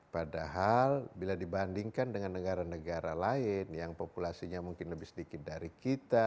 padahal bila dibandingkan dengan negara negara lain yang populasinya mungkin lebih sedikit dari kita